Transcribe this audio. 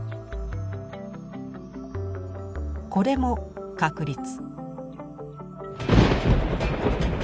これも確率。